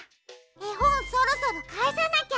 えほんそろそろかえさなきゃ。